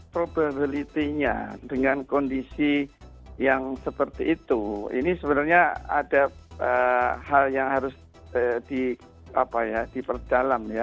probabilitenya dengan kondisi yang seperti itu ini sebenarnya ada hal yang harus di apa ya diperdalam ya